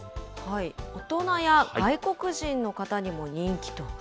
大人や外国人の方にも人気と。